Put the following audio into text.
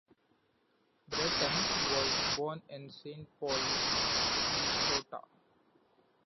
Bratton was born in Saint Paul, Minnesota.